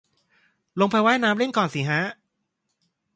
ลงไปว่ายน้ำเล่นก่อนสิฮะ